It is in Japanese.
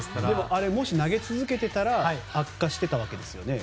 あれもし投げ続けてたら悪化していたわけですよね。